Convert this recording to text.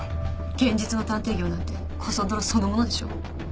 現実の探偵業なんてこそ泥そのものでしょ？